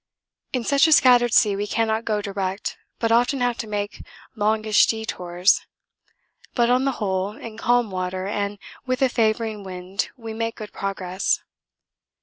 In such a scattered sea we cannot go direct, but often have to make longish detours; but on the whole in calm water and with a favouring wind we make good progress.